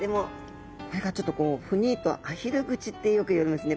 何かちょっとこうふにっとアヒル口ってよく言われますね。